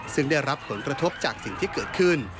ซึ่งได้รับผลกระทบจากสิ่งที่เกิดขึ้น